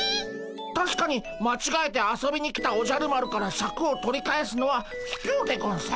たしかにまちがえて遊びに来たおじゃる丸からシャクを取り返すのはひきょうでゴンス。